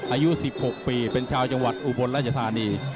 อายุ๑๖ปีเป็นชาวจังหวัดอุบลราชธานี